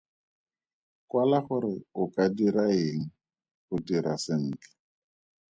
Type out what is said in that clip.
Kwala gore o ka dira eng go dira sentle.